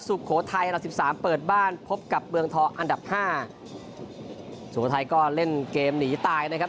สุโขทัยอันดับสิบสามเปิดบ้านพบกับเมืองทองอันดับห้าสุโขทัยก็เล่นเกมหนีตายนะครับ